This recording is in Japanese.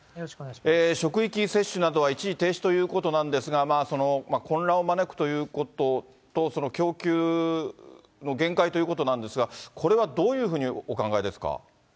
職域接種などは一時停止ということなんですが、混乱を招くということと、供給の限界ということなんですが、これはどういうふうにお考えですか？